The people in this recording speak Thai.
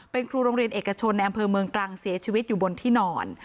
เป็นครูโรงเรียนเอกชนในอำเภอเมืองตรังเสียชีวิตอยู่บนที่นอน